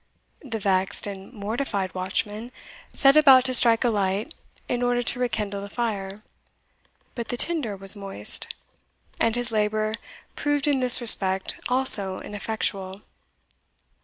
The vexed and mortified watchman set about to strike a light in order to rekindle the fire but the tinder was moist, and his labour proved in this respect also ineffectual.